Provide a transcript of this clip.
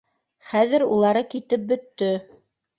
Хәҙер улары китеп бөттө.